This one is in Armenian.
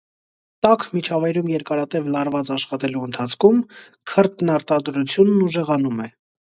Տաք միջավայրում երկարատև լարված աշխատելու ընթացքում քրտնարտադրությունն ուժեղանում է։